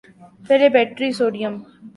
پہلے battery sodium